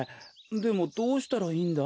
でもどうしたらいいんだ？